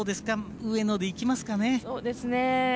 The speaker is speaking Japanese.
上野でいきますかね。